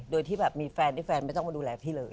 โดยที่แบบมีแฟนที่แฟนไม่ต้องมาดูแลพี่เลย